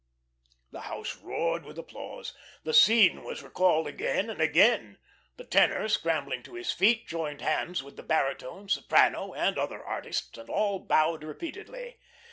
The house roared with applause. The scene was recalled again and again. The tenor, scrambling to his feet, joined hands with the baritone, soprano, and other artists, and all bowed repeatedly.